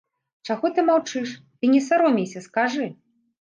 Чаго ты маўчыш, ты не саромейся, скажы.